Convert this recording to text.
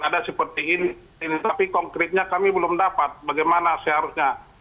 ada seperti ini tapi konkretnya kami belum dapat bagaimana seharusnya